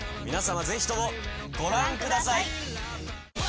皆さまぜひとも。ご覧ください。